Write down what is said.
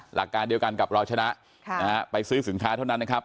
หลักการเดียวกันกับเราชนะไปซื้อสินค้าเท่านั้นนะครับ